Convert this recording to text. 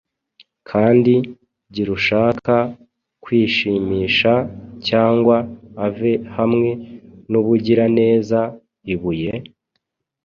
Kandi girushaka kwishimisha, Cyangwa ave hamwe nubugiraneza ibuye?